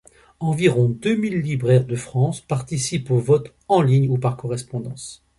Environ deux mille libraires de France participent au vote, en ligne ou par correspondance.